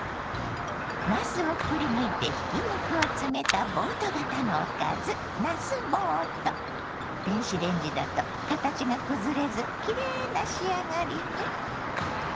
なすをくりぬいてひき肉を詰めたボート型のおかず電子レンジだと形が崩れずきれいな仕上がりに。